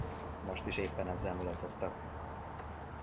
Most is éppen ezzel mulatoztak.